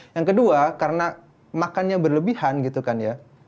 yang kedua karena makannya berlebihan gitu kan ya